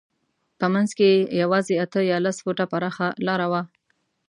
په منځ کې یې یوازې اته یا لس فوټه پراخه لاره وه.